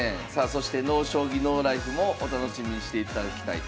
そして「ＮＯ将棋ＮＯＬＩＦＥ」もお楽しみにしていただきたい。